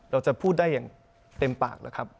เราจะพูดได้อย่างเต็มปากแล้วครับ